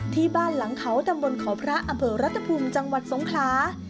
ที่บ้านหลังเขาตำบลเขาพระอำเภอรัฐภูมิจังหวัดสงขลา